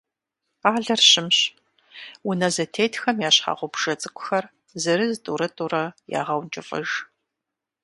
Къалэр щымщ. Унэ зэтетхэм я щхьэгъубжэ цӏыкӏухэр, зырыз-тӏурытӏурэ ягъэункӏыфӏыж.